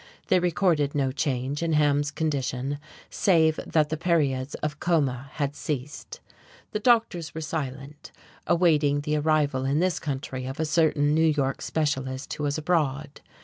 They recorded no change in Ham's condition save that the periods of coma had ceased. The doctors were silent, awaiting the arrival in this country of a certain New York specialist who was abroad.